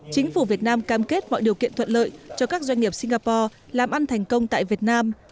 chính phủ việt nam cam kết mọi điều kiện thuận lợi cho các doanh nghiệp singapore làm ăn thành công tại việt nam